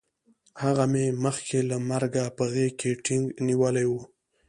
هغه مې مخکې له مرګه په غېږ کې ټینګ نیولی وی